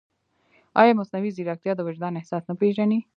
ایا مصنوعي ځیرکتیا د وجدان احساس نه پېژني؟